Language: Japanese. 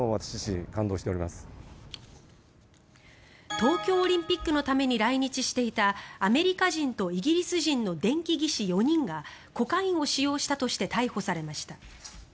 東京オリンピックのために来日していたアメリカ人とイギリス人の電気技師４人がコカインを使用したとして逮捕されました。